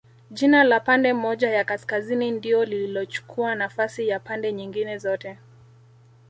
Jina la pande moja ya Kaskazini ndio lililochukua nafasi ya pande nyingine zote